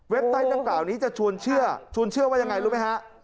ไซต์ดังกล่าวนี้จะชวนเชื่อชวนเชื่อว่ายังไงรู้ไหมฮะ